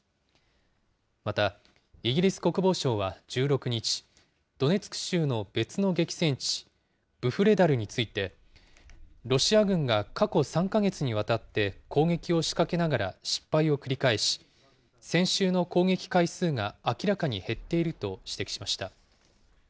またイギリス国防省は１６日、ドネツク州の別の激戦地、ブフレダルについて、ロシア軍が過去３か月にわたって攻撃を仕掛けながら失敗を繰り返し、先週の攻撃回数が明らかに減っていると指摘しました。